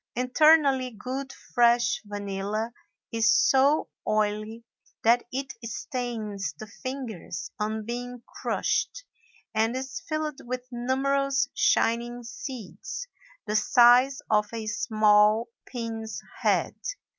Internally good fresh vanilla is so oily that it stains the fingers on being crushed and is filled with numerous shining seeds the size of a small pin's head.